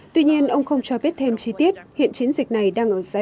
tuy nhiên ông không cho biết thêm chi tiết hiện chiến dịch này đang ở giai đoạn